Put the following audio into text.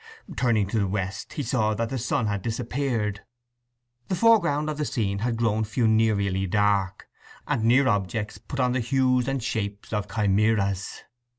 Turning to the west, he saw that the sun had disappeared. The foreground of the scene had grown funereally dark, and near objects put on the hues and shapes of chimaeras.